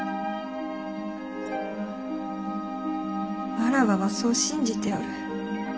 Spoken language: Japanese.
わらわはそう信じておる。